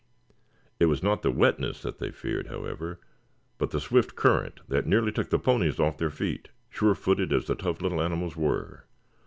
It was not the wetness that they feared, however, but the swift current that nearly took the ponies off their feet, sure footed as the tough little animals were.